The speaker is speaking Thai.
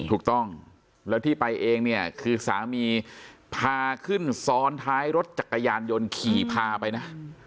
ถูกต้องแล้วที่ไปเองเนี่ยคือสามีพาขึ้นซ้อนท้ายรถจักรยานยนต์ขี่พาไปนะ